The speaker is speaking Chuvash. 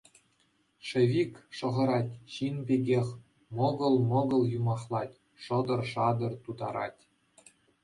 Шӗвик! шӑхӑрать, ҫын пекех, мӑкӑл-мӑкӑл юмахлать, шӑтӑр-шатӑр тутарать.